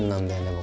僕。